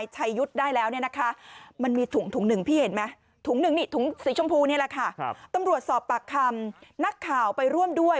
สอบปากคำนักข่าวไปร่วมด้วย